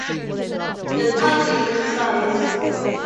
The park is in size.